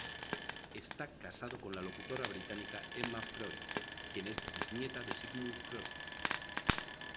Esta casado con la locutora británica Emma Freud, quien es bisnieta de Sigmund Freud.